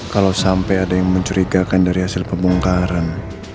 kalau sampai ada yang mencurigakan dari hasil pembongkaran